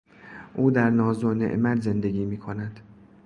او در ناز و نعمت زندگی میکند.